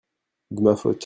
de ma faute.